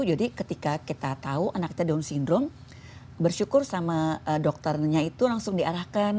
jadi ketika kita tahu anaknya down syndrome bersyukur sama dokternya itu langsung diarahkan